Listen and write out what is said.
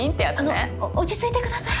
あのお落ち着いてください。